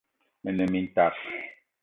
Me ne mintak